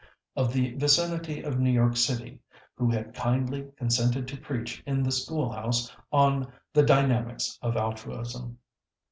of the vicinity of New York City, who had kindly consented to preach in the school house on 'The Dynamics of Altruism.'"